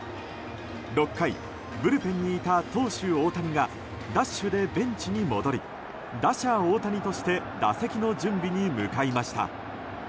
６回、ブルペンにいた投手・大谷がダッシュでベンチに戻り打者・大谷として打席の準備に向かいました。